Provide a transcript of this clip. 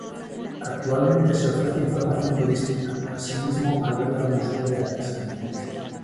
Actualmente se ofrece información turística, así mismo alberga el museo de artesanías.